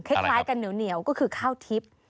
คล้ายกันเหนียวก็คือข้าวทิพย์